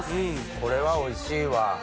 これはおいしいわ。